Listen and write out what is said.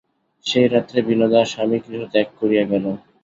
সেই রাত্রে বিনোদা স্বামীগৃহ ত্যাগ করিয়া গেল।